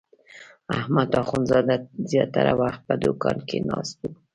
احمد اخوندزاده زیاتره وخت په دوکان کې ناست و.